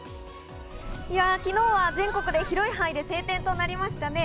昨日は全国の広い範囲で晴天となりましたね。